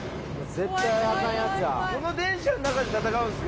この電車の中で戦うんですか？！